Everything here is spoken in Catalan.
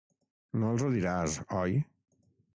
No els ho diràs, oi?